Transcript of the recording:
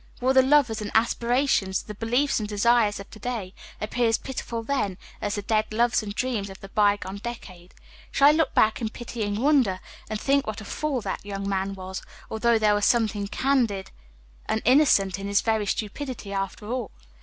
Will the loves and aspirations, the beliefs and desires of to day, appear as pitiful then as the dead loves and dreams of the by gone decade? Shall I look back in pitying wonder, and think what a fool that young man was, although there was something candid and innocent in his very stupidity, after all?